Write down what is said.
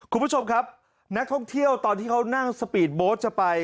คุณผู้ชมครับนักท่องเที่ยวตอนที่เขานั่งสปีดโบสต์จะไป